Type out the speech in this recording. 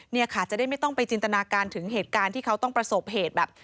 เนี่ยค่ะจะได้ไม่ต้องไปจินตนาการถึงเหตุการณ์ที่เขาต้องประสบเหตุแบบ